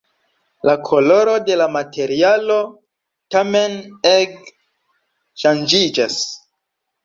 La koloro de la materialo tamen ege ŝanĝiĝas.